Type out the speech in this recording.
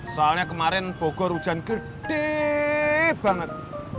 soalnya kemarin bogor hujan gede banget